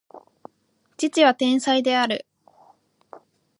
父は天才である